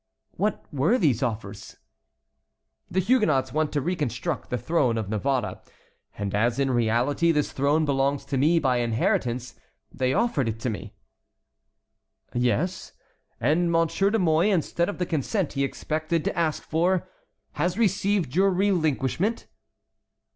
"What were these offers?" "The Huguenots want to reconstruct the throne of Navarre, and as in reality this throne belongs to me by inheritance, they offered it to me." "Yes; and Monsieur de Mouy, instead of the consent he expected to ask for, has received your relinquishment?"